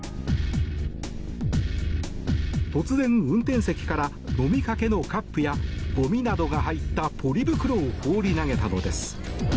突然、運転席から飲みかけのカップやごみなどが入ったポリ袋を放り投げたのです。